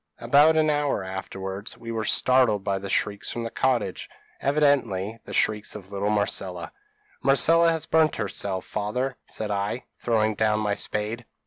p> "About an hour afterwards we were startled by shrieks from the cottage evidently the shrieks of little Marcella. 'Marcella has burnt herself, father,' said I, throwing down my spade.